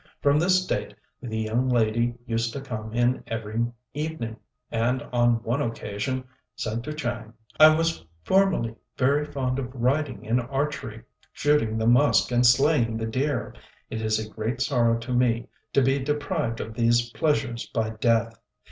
From this date the young lady used to come in every evening, and on one occasion said to Chang, "I was formerly very fond of riding and archery, shooting the musk and slaying the deer; it is a great sorrow to me to be deprived of these pleasures by death.